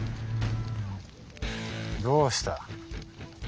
どうした？